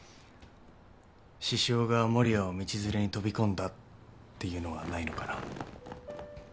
獅子雄が守谷を道連れに飛び込んだっていうのはないのかな？